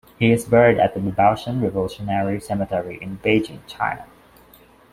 He is buried at the Babaoshan Revolutionary Cemetery in Beijing, China.